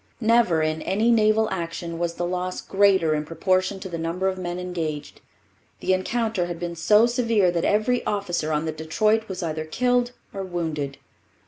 Never in any naval action was the loss greater in proportion to the number of men engaged. The encounter had been so severe that every officer on the Detroit was either killed or wounded.